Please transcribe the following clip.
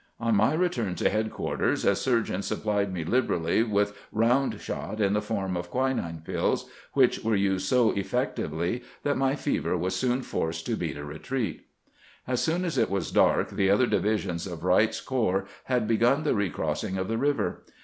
On my return to headquarters a sur geon supplied me liberally with round shot in the form of quinine pUls, which were used so effectively that my fever was soon forced to beat a retreat. 152 CAMPAIGNING WITH GRANT As soon as it was dark the other divisions of Wright's corps had begun the reerossing of the river.